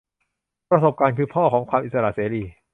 ประสบการณ์คือพ่อของความอิสระเสรี